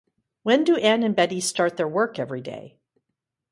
When do Anne and Betty start their work every day?